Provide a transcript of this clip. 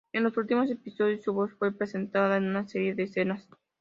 En los últimos episodios, su voz fue presentada en una serie de escenas.